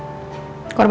saya minta bantuan kamu